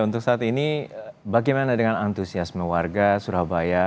untuk saat ini bagaimana dengan antusiasme warga surabaya